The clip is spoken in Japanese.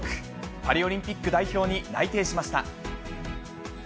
パリオリンピック代表に内定しました。